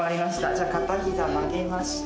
じゃあ片膝曲げました。